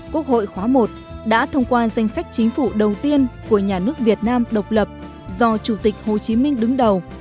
quốc hội khóa một đã thông qua danh sách chính phủ đầu tiên của nhà nước việt nam độc lập do chủ tịch hồ chí minh đứng đầu